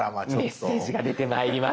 メッセージが出てまいりました。